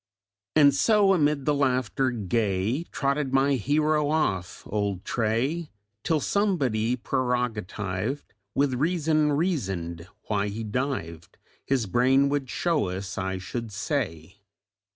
"And so, amid the laughter gay, Trotted my hero off, old Tray, Till somebody, prerogatived With reason, reasoned: 'Why he dived His brain would show us, I should say.